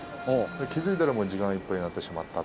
気付いたら時間いっぱいになってしまった。